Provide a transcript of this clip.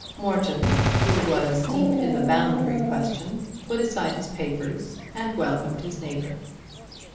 Morton who was deep in the boundary question put aside his papers and welcomed his neighbour.